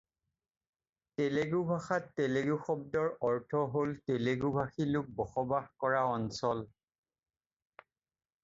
তেলুগু ভাষাত তেলুগু শব্দৰ অৰ্থ হ'ল তেলুগু ভাষী লোক বসবাস কৰা অঞ্চল।